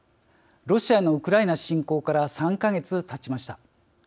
ロシアのウクライナ侵攻から３か月たちました。